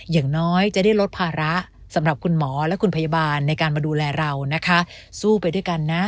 อย่างน้อยจะได้ลดภาระสำหรับคุณหมอและคุณพยาบาลในการมาดูแลเรานะคะสู้ไปด้วยกันนะ